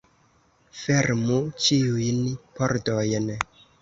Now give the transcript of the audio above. Fermu ĉiujn pordojn!